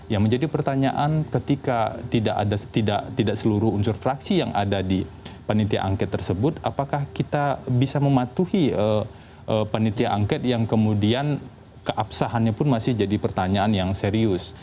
ya menjadi pertanyaan ketika tidak seluruh unsur fraksi yang ada di panitia angket tersebut apakah kita bisa mematuhi panitia angket yang kemudian keabsahannya pun masih jadi pertanyaan yang serius